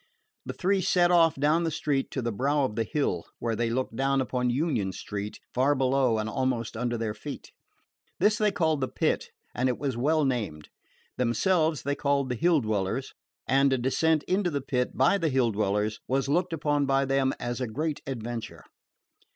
The three set off down the street to the brow of the hill, where they looked down upon Union Street, far below and almost under their feet. This they called the Pit, and it was well named. Themselves they called the Hill dwellers, and a descent into the Pit by the Hill dwellers was looked upon by them as a great adventure.